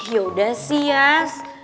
yaudah sih yas